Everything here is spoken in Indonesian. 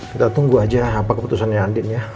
kita tunggu aja apa keputusannya andin ya